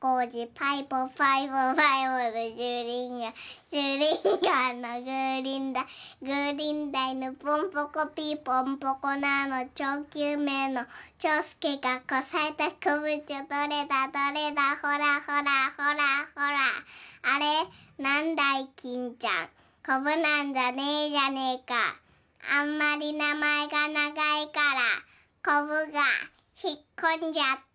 パイポパイポパイポのシューリンガンシューリンガンのグーリンダイグーリンダイのポンポコピーのポンポコナのちょうきゅうめいのちょうすけがこさえたこぶちゃどれだどれだほらほらほらほらあれなんだいきんちゃんこぶなんかねえじゃねえかあんまりなまえがながいからこぶがひっこんじゃった」。